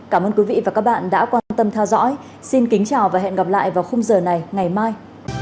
cảm ơn quý vị và các bạn đã quan tâm theo dõi xin kính chào và hẹn gặp lại vào khung giờ này ngày mai